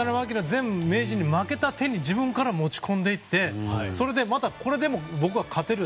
前名人に負けた手に自分から持ち込んでいってそれでまた、これでも僕は勝てると。